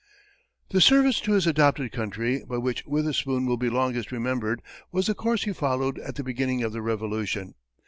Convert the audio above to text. The service to his adopted country by which Witherspoon will be longest remembered, was the course he followed at the beginning of the Revolution.